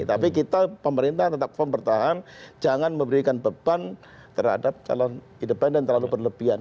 tapi kita pemerintah tetap firm bertahan jangan memberikan beban terhadap calon independen terlalu berlebihan